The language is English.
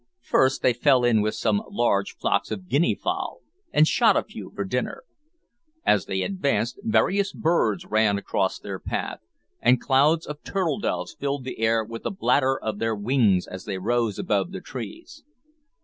First, they fell in with some large flocks of guinea fowl, and shot a few for dinner. As they advanced, various birds ran across their path, and clouds of turtle doves filled the air with the blatter of their wings as they rose above the trees.